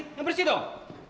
yang berisi dong